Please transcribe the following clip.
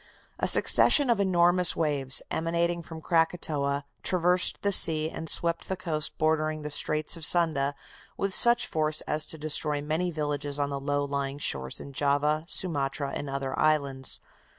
A succession of enormous waves, emanating from Krakatoa, traversed the sea, and swept the coast bordering the Straits of Sunda with such force as to destroy many villages on the low lying shores in Java, Sumatra and other islands.